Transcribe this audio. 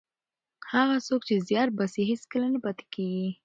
هغه څوک چې زیار باسي هېڅکله نه پاتې کېږي.